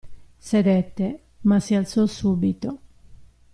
Sedette, ma si alzò subito.